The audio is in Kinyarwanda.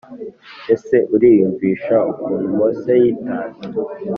Ese uriyumvisha ukuntu Mose yitanze?